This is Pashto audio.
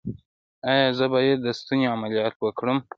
ایا زه باید د ستوني عملیات وکړم؟